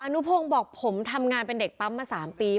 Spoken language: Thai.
นุพงศ์บอกผมทำงานเป็นเด็กปั๊มมา๓ปี